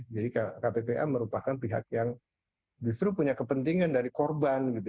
jadi kppa merupakan pihak yang justru punya kepentingan dari korban